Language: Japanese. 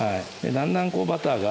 だんだんこうバターが。